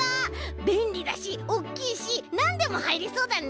べんりだしおっきいしなんでもはいりそうだね！